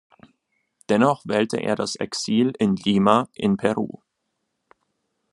Dennoch wählte er das Exil in Lima in Peru.